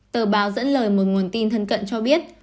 tờ báo dẫn lời một nguồn tin thân cận cho biết